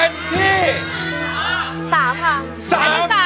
แผ่นที่๓ค่ะ